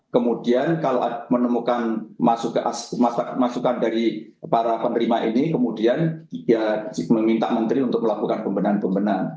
kemudian kalau menemukan masukan dari para penerima ini kemudian juga meminta menteri untuk melakukan pembenahan pembenahan